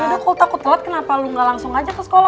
aku takut telat kenapa lu gak langsung aja ke sekolah